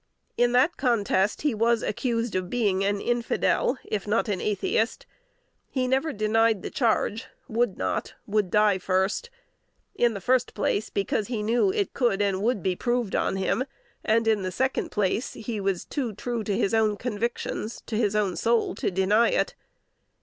In that contest he was accused of being an infidel, if not an atheist; he never denied the charge; would not; "would die first:" in the first place, because he knew it could and would be proved on him; and in the second place he was too true to his own convictions, to his own soul, to deny it.